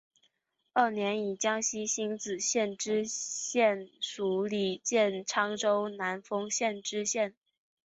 二年以江西星子县知县署理建昌府南丰县知县。